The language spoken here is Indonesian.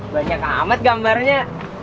banyak amat gambarnya